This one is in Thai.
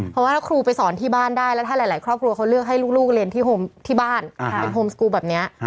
เพราะว่าถ้าครูไปสอนที่บ้านได้แล้วถ้าหลายครอบครัวเขาเลือกให้ลูกเรียนที่บ้านเป็นโฮมสกูลแบบนี้